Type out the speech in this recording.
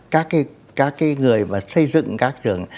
các cái người mà xây dựng các trường